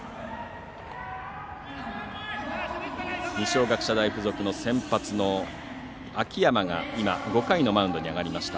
二松学舎大付属の先発の秋山が５回のマウンドに上がりました。